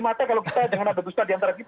semata kalau kita jangan ada dusta diantara kita